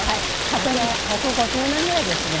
１００年１５０年ぐらいですね。